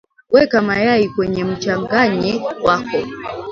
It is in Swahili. weka mayai kwenye mchanganyi wako